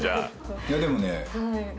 「いやでもね」